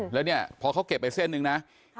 แล้วพอเขาเก็บอีกเส้นนึงนะ